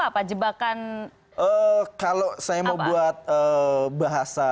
apa jebakan kalau saya mau buat bahasa